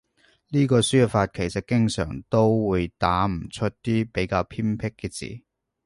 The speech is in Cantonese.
呢個輸入法其實經常都會打唔出啲比較偏僻嘅字